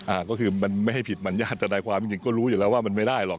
อ่าก็คือมันไม่ให้ผิดมัญญาติทนายความจริงจริงก็รู้อยู่แล้วว่ามันไม่ได้หรอก